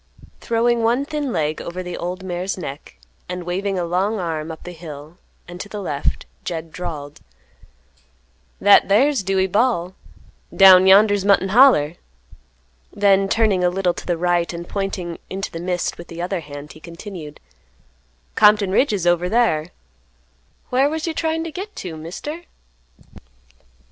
Throwing one thin leg over the old mare's neck, and waving a long arm up the hill and to the left, Jed drawled, "That thar's Dewey Bal'; down yonder's Mutton Holler." Then turning a little to the right and pointing into the mist with the other hand, he continued, "Compton Ridge is over thar. Whar was you tryin' to git to, Mister?"